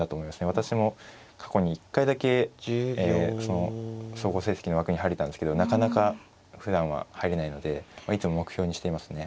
私も過去に１回だけ総合成績の枠に入れたんですけどなかなかふだんは入れないのでいつも目標にしていますね。